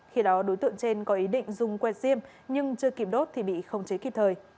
khi đó đối tượng trên có ý định dùng quẹt diêm nhưng chưa kịp đốt thì bị khống chế kịp thời